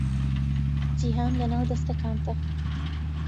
جیهان لەناو دەستەکانتە